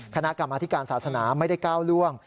คณะกรรมธิการศาสนาไม่ได้ก้าวล่วง